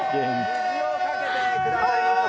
水をかけてくださいます。